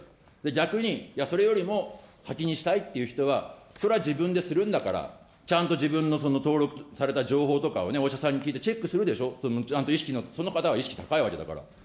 逆に、いや、それよりも先にしたいっていう人は、それは自分でするんだから、ちゃんと自分の登録された情報とかをね、お医者さんに聞いてチェックするでしょ、ちゃんと意識の、その方は意識高いわけだから。